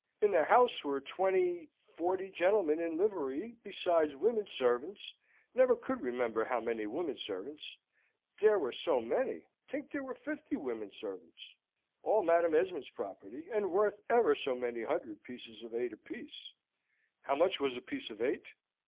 In the house were twenty forty gentlemen in livery, besides women servants never could remember how many women servants, dere were so many: tink dere were fifty women servants all Madam Esmond's property, and worth ever so many hundred pieces of eight apiece. How much was a piece of eight?